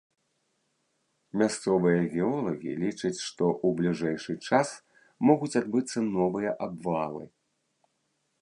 Мясцовыя геолагі лічаць, што ў бліжэйшы час могуць адбыцца новыя абвалы.